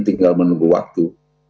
tinggal menunggu waktu